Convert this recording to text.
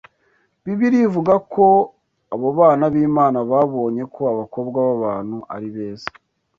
Bibiliya ivuga ko abo bana b’Imana babonye ko abakobwa b’abantu ari beza